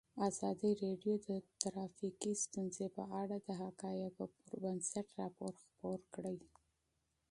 ازادي راډیو د ټرافیکي ستونزې په اړه د حقایقو پر بنسټ راپور خپور کړی.